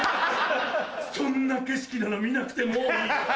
そんな景色なら見なくてもういい。